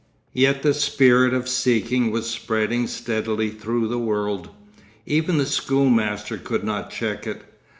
Yet the spirit of seeking was spreading steadily through the world. Even the schoolmaster could not check it.